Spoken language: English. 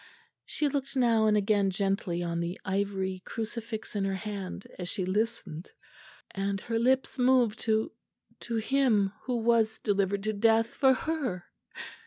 She looked now and again gently on the ivory crucifix in her hand, as she listened; and her lips moved to to Him who was delivered to death for her."